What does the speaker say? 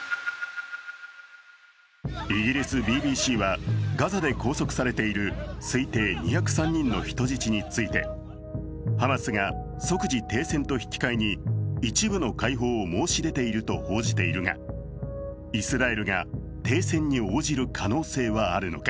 イギリス・ＢＢＣはガザで拘束されている推定２０３人の人質についてハマスが即時停戦と引き換えに一部の解放を申し出ていると報じているがイスラエルが停戦に応じる可能性はあるのか。